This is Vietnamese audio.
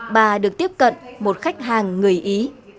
bà được tiếp cận một khách hàng người ý